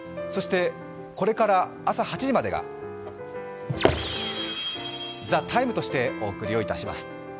これから朝８時までが「ＴＨＥＴＩＭＥ，」としてお送りをいたします。